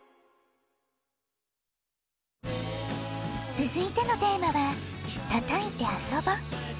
つづいてのテーマは「たたいてあそぼ」。